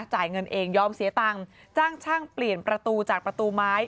จ่ายเงินเองยอมเสียตังค์จ้างช่างเปลี่ยนประตูจากประตูไม้